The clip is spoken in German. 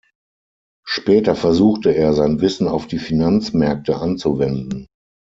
Später versuchte er, sein Wissen auf die Finanzmärkte anzuwenden.